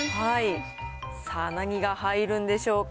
さあ、何が入るんでしょうか。